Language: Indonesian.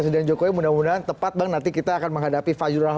sebagai jurubicara menjadi kewajiban